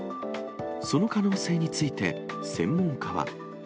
その可能性について、専門家は。